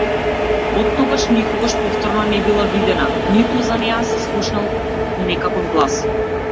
Оттогаш никогаш повторно не била видена, ниту за неа се слушнал некаков глас.